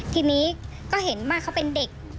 ทีนี้ก็เห็นว่าเขาเป็นเด็ก